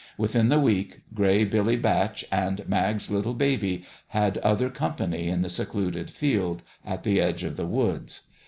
Within the week Gray Billy Batch and Mag's little baby had other company in the secluded field at the edge of the woods.